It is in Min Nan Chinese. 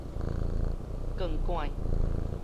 槓桿